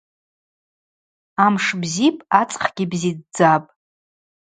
Амш бзипӏ, ацӏхгьи бзидздзапӏ.